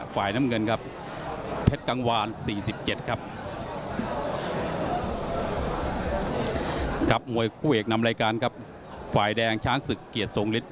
ไฟแดงช้างศึกเกียรติสงฤทธิ์